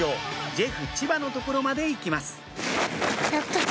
ジェフ千葉の所まで行きます